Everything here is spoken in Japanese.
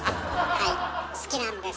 はい好きなんです。